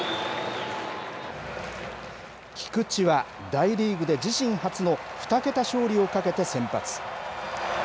菊池は大リーグで自身初の２桁勝利をかけて先発。